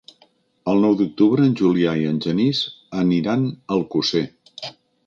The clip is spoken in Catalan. El nou d'octubre en Julià i en Genís aniran a Alcosser.